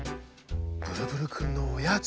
ブルブルくんのおやつ？